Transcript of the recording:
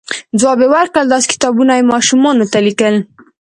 ځواب یې ورکړ، داسې کتابونه یې ماشومانو ته لیکل،